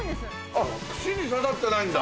あっ串に刺さってないんだ。